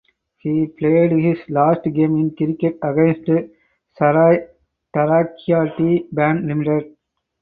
He played his last game in cricket against Zarai Taraqiati Bank Limited.